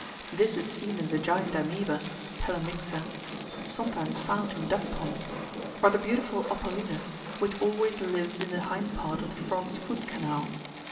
This is seen in the Giant Amoeba (Pelomyxa), sometimes found in duck ponds, or the beautiful Opalina, which always lives in the hind part of the frog's food canal.